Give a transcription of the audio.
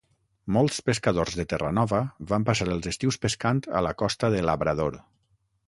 Molts pescadors de Terranova van passar els estius pescant a la costa de Labrador.